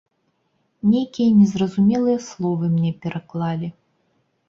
Нейкія незразумелыя словы мне пераклалі.